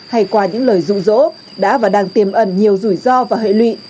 hay qua những lời rụ rỗ đã và đang tiềm ẩn nhiều rủi ro và hệ lụy